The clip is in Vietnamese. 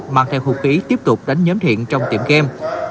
mang theo hụt ký tiếp tục đánh nhóm thiện trong tiệm game